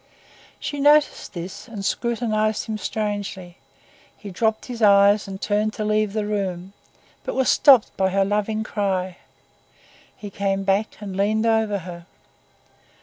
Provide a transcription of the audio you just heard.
She noticed this and scrutinized him strangely. He dropped his eyes and turned to leave the room, but was stopped by her loving cry; he came back and leaned over her.